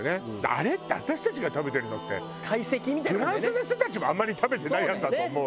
あれって私たちが食べてるのってフランスの人たちもあんまり食べてないやつだと思うわよ。